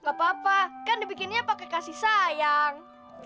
gak apa apa kan dibikinnya pakai kasih sayang